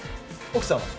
奥さんは？